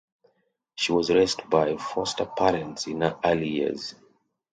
She was raised by foster parents in her early years.